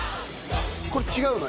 これ違うの？．